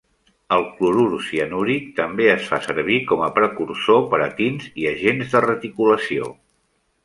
El clorur cianúric també es fa servir com a precursor per a tints i agents de reticulació.